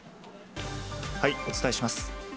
お伝えします。